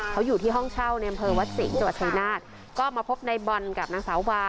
เขาอยู่ที่ห้องเช่าในอำเภอวัดสิงห์จังหวัดชายนาฏก็มาพบในบอลกับนางสาววา